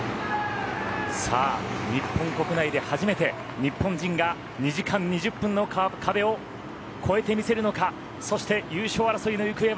日本国内で初めて日本人が２時間２０分の壁を越えて見せるのかそして、優勝争いの行方は？